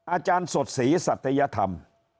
อาจารย์สดศรีสัตยธรรม